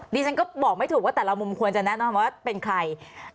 ดิฉันก็บอกไม่ถูกว่าแต่ละมุมควรจะแนะนำว่าเป็นใคร